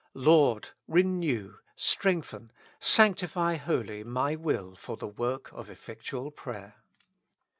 Lord ! renew, strengthen, sanctify wholly my will for the work of effectual prayer.